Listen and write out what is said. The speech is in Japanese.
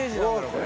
これ。